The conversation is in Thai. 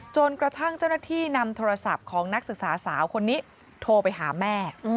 จนกระทั่งเจ้าหน้าที่นำโทรศัพท์ของนักศึกษาสาวคนนี้โทรไปหาแม่